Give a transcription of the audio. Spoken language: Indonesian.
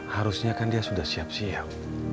harusnya kan dia sudah siap siap